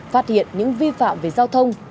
phát hiện những vi phạm về giao thông